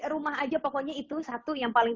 rumah aja pokoknya itu satu yang paling